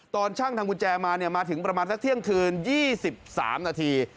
ตอนช่างทำกุญแจมามาถึงประมาณสักเที่ยงคืน๒๓นาที